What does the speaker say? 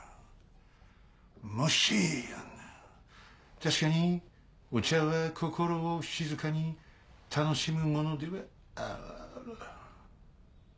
確かにお茶は心を静かに楽しむものではある。